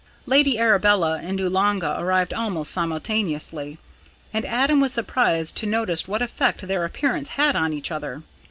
Lady Arabella and Oolanga arrived almost simultaneously, and Adam was surprised to notice what effect their appearance had on each other.